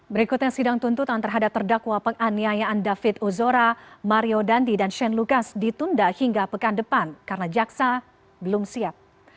berikutnya sidang tuntutan terhadap terdakwa penganiayaan david ozora mario dandi dan shane lucas ditunda hingga pekan depan karena jaksa belum siap